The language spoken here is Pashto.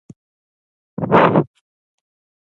د هغه بنسټونو مطالعه چې د فقر کچه لوړه کړې سي، ضروری ده.